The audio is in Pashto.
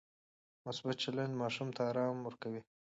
مثبت چلند ماشوم ته ارام ورکوي.